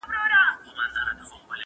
د خپلواکۍ اتل هيڅکله نه هيريږي.